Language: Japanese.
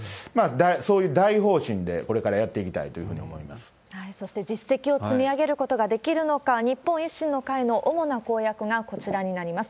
そういう大方針でこれからやってそして、実績を積み上げることができるのか、日本維新の会の主な公約がこちらになります。